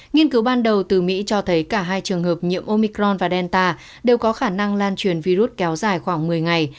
nghiên cứu ban đầu từ mỹ cho thấy cả hai trường hợp nhiễm omicron và delta đều có khả năng lan truyền virus kéo dài khoảng một mươi ngày